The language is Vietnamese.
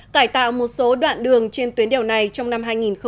cải tạo một số đoạn đường trên tuyến đèo này trong năm hai nghìn một mươi tám